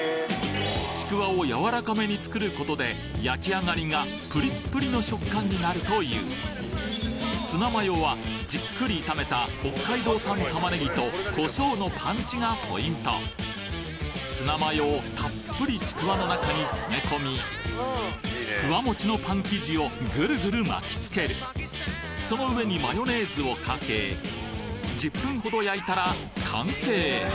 ちくわをやわらかめに作る事で焼き上がりがプリップリの食感になるというツナマヨはじっくり炒めた北海道産玉ねぎと胡椒のパンチがポイントツナマヨをたっぷりちくわの中に詰め込みふわもちのパン生地をぐるぐる巻きつけるその上にマヨネーズをかけ１０分ほど焼いたら完成！